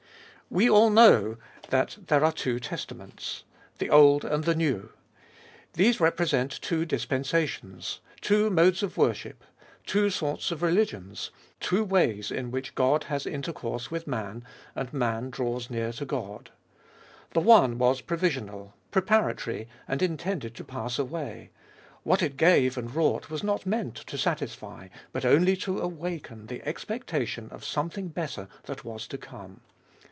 WE all know that there are two Testaments — the Old and the New. These represent two dispensations, two modes of worship, two sorts of religions, two ways in which God has intercourse with man, and man draws nigh to God. The one was provisional, preparatory, and intended to pass away. What it gave and wrought was not meant to satisfy, but only to awaken the expectation of something better that was to come.